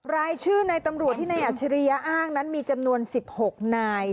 รายชื่อในตำรวจที่นายอัจฉริยะอ้างนั้นมีจำนวน๑๖นาย